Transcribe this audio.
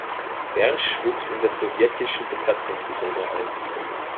Bärsch wuchs in der sowjetischen Besatzungszone auf.